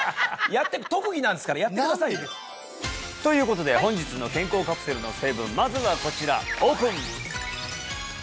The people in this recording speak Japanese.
特技なんですからやってくださいよということで本日の健康カプセルの成分まずはこちらオープン！